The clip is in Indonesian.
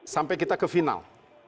sampai kita ke final